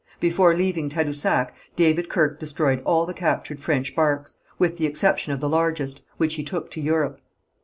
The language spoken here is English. Before leaving Tadousac, David Kirke destroyed all the captured French barques, with the exception of the largest, which he took to Europe.